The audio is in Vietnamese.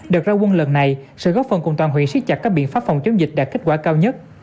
đợt ra quân lần này sẽ góp phần cùng toàn huyện siết chặt các biện pháp phòng chống dịch đạt kết quả cao nhất